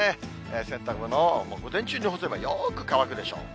洗濯物、午前中に干せばよーく乾くでしょう。